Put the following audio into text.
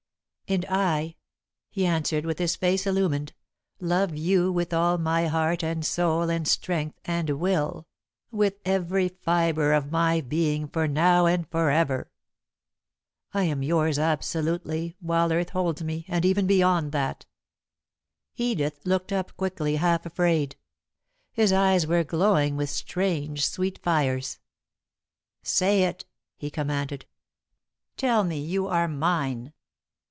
"And I," he answered, with his face illumined, "love you with all my heart and soul and strength and will with every fibre of my being, for now and for ever. I am yours absolutely, while earth holds me, and even beyond that." [Sidenote: What Matters] Edith looked up quickly, half afraid. His eyes were glowing with strange, sweet fires. "Say it!" he commanded. "Tell me you are mine!"